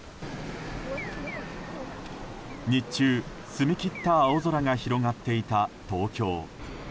日中、澄み切った青空が広がっていた東京。